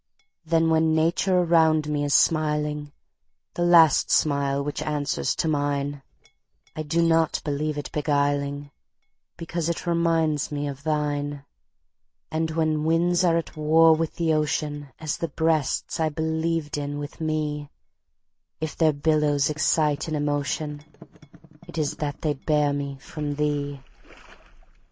Then when nature around me is smiling, The last smile which answers to mine,I do not believe it beguiling, Because it reminds me of thine; And when winds are at war with the ocean, As the breasts I believed in with me, If their billows excite an emotion, It is that they bear me from thee.